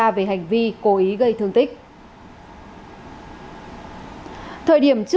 điều tra về hành vi cố ý gây thương tích